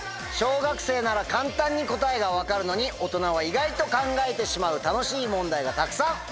小学生なら簡単に答えが分かるのに大人は意外と考えてしまう楽しい問題がたくさん！